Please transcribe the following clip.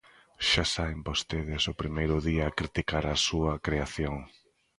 Xa saen vostedes o primeiro día a criticar a súa creación.